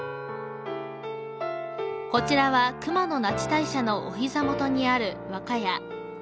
こちらは熊野那智大社のおひざ元にある「和か屋」。